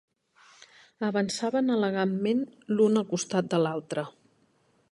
Avançaven elegantment l'un al costat de l'altre.